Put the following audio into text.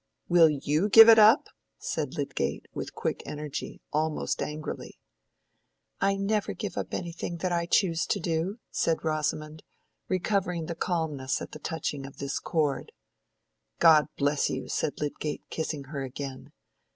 "Will you give it up?" said Lydgate, with quick energy—almost angrily. "I never give up anything that I choose to do," said Rosamond, recovering her calmness at the touching of this chord. "God bless you!" said Lydgate, kissing her again.